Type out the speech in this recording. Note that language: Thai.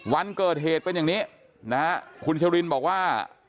วันเกิดเหตุเป็นอย่างนี้นะฮะคุณชรินบอกว่า